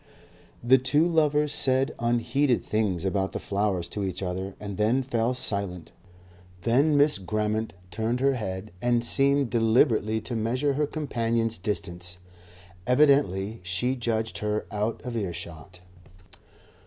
The two lovers said unheeded things about the flowers to each other and then fell silent. Then Miss Grammont turned her head and seemed deliberately to measure her companion's distance. Evidently she judged her out of earshot.